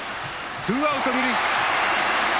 ツーアウト二塁。